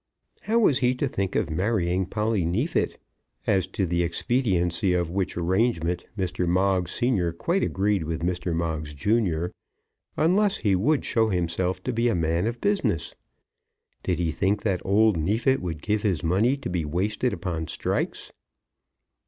How was he to think of marrying Polly Neefit, as to the expediency of which arrangement Mr. Moggs senior quite agreed with Mr. Moggs junior, unless he would show himself to be a man of business? Did he think that old Neefit would give his money to be wasted upon strikes?